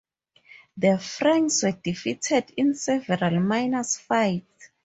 The Franks were defeated in several minor fights.